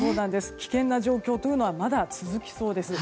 危険な状況はまだ続きそうです。